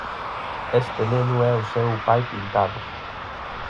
Este neno é o seu pai pintado.